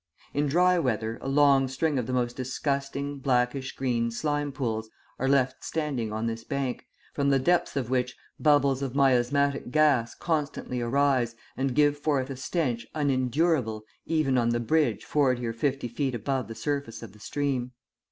In dry weather, a long string of the most disgusting, blackish green, slime pools are left standing on this bank, from the depths of which bubbles of miasmatic gas constantly arise and give forth a stench unendurable even on the bridge forty or fifty feet above the surface of the stream.